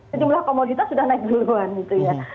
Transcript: sejumlah komoditas sudah naik duluan gitu ya